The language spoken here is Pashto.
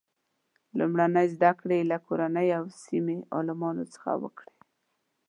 لومړنۍ زده کړې یې له کورنۍ او سیمې عالمانو څخه وکړې.